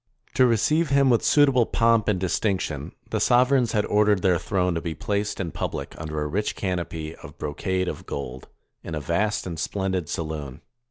To receive him with suitable pomp and distinction, the sovereigns had ordered their throne to be placed in public under a rich canopy of brocade of gold, in a vast and splendid saloon.